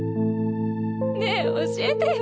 ねえ教えてよ